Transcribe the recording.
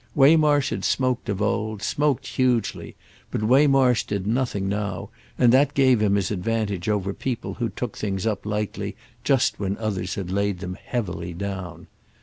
Waymarsh had smoked of old, smoked hugely; but Waymarsh did nothing now, and that gave him his advantage over people who took things up lightly just when others had laid them heavily down.